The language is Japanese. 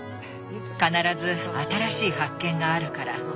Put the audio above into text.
必ず新しい発見があるから。